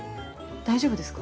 大丈夫ですか。